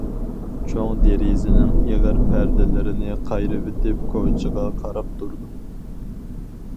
چوڭ دېرىزىنىڭ ئېغىر پەردىلىرىنى قايرىۋېتىپ كوچىغا قاراپ تۇردۇم.